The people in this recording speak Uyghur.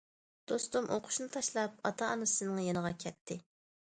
دوستۇم ئوقۇشىنى تاشلاپ ئاتا- ئانىسىنىڭ يېنىغا كەتتى.